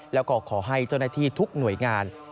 แล้วก็ขอให้เจ้าหน้าที่ทุกหน่วยงาน